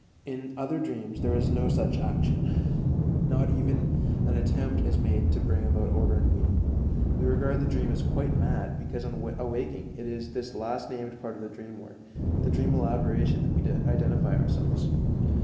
In other dreams there is no such action; not even an attempt is made to bring about order and meaning. We regard the dream as "quite mad," because on awaking it is with this last named part of the dream work, the dream elaboration, that we identify ourselves.